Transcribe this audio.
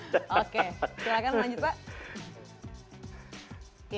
silahkan lanjut pak